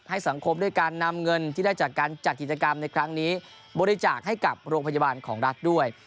สังคมด้วยการนำเงินที่ได้จากการจัดกิจกรรมในครั้งนี้บริจาคให้กับโรงพยาบาลของรัฐด้วย